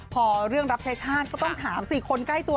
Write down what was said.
พอเรื่องรับใช้ชาติก็ต้องถามสิคนใกล้ตัว